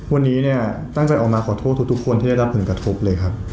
วันนี้เนี่ยตั้งใจออกมาขอโทษทุกคนที่ได้รับผลกระทบเลยครับ